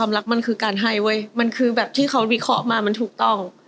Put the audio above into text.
รักมันคือการให้เว้ยมันคือแบบที่เขาวิเคราะห์มามันถูกต้อง